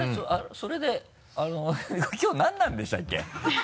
それできょう何なんでしたっけ？